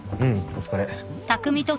お疲れ。